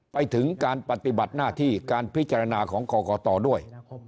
ไปถึงการปฏิบัติหน้าที่การพิจารณาของกรกตด้วย